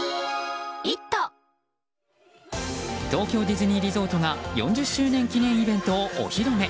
東京ディズニーリゾートが４０周年記念イベントをお披露目。